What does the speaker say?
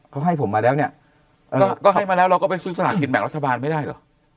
ก็ให้มาแล้วเราก็ไปซึ่งสถานกิจแบบรัศบาลไม่ได้หรอ